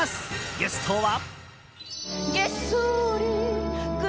ゲストは。